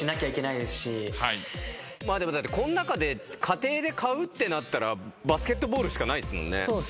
でもこん中で家庭で買うってなったらバスケットボールしかないっすもんね。